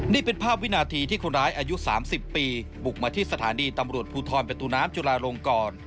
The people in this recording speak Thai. นี่เป็นภาพวินาทีที่คนร้ายอายุ๓๐ปีบุกมาที่สถานีตำรวจภูทรประตูน้ำจุลาลงกร